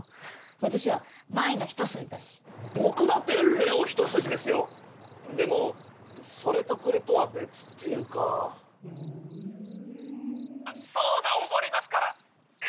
私は舞菜一筋だし僕だってれお一筋ですよでもそれとこれとは別っていうかふーんそうだおごりますからえりぴよさん